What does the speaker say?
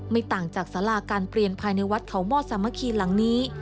ต่างจากสาราการเปลี่ยนภายในวัดเขาหม้อสามัคคีหลังนี้